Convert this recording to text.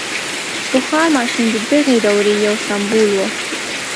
• بخار ماشین د دغې دورې یو سمبول و.